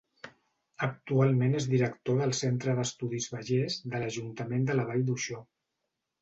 Actualment és director del Centre d'Estudis Vallers de l'ajuntament de la Vall d'Uixó.